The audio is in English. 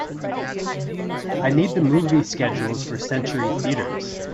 I need the movie schedules for Century Theatres